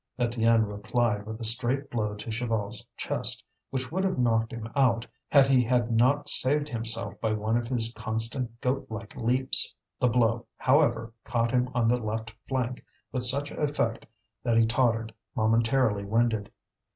Étienne replied with a straight blow to Chaval's chest, which would have knocked him out, had he had not saved himself by one of his constant goat like leaps. The blow, however, caught him on the left flank with such effect that he tottered, momentarily winded.